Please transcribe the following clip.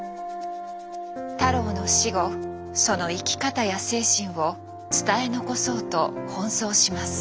太郎の死後その生き方や精神を伝え残そうと奔走します。